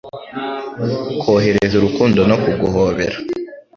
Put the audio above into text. Kohereza urukundo no kuguhobera